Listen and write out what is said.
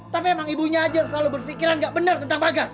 tapi emang ibunya aja selalu berpikiran nggak benar tentang bagas